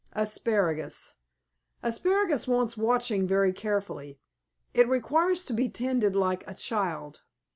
ASPARAGUS Asparagus wants watching very carefully. It requires to be tended like a child.